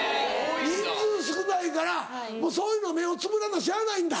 人数少ないからもうそういうの目をつぶらなしゃあないんだ。